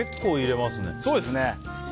そうですね。